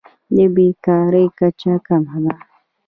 د بیکارۍ کچه کمه ده.